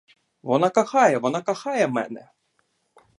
Вона кохає, вона кохає мене.